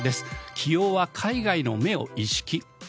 起用は海外の目を意識？